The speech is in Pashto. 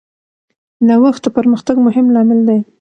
نوښت د پرمختګ مهم لامل دی.